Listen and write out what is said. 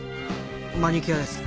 マニキュアです。